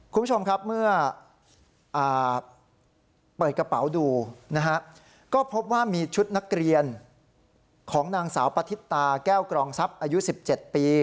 คุณผู้ชมครับเมื่อเปิดกระเป๋าดูนะฮะก็พบว่ามีชุดนักเรียนของนางสาวปฏิตาแก้วกรองทรัพย์อายุ๑๗ปี